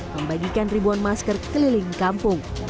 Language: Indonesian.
membagikan ribuan masker keliling kampung